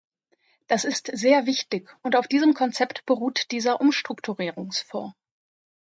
Das ist sehr wichtig, und auf diesem Konzept beruht dieser Umstrukturierungsfonds.